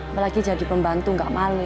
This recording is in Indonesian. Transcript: apalagi jadi pembantu nggak male